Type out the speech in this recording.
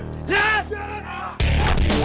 pergi lo semua